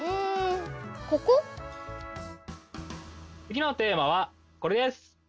つぎのテーマはこれです。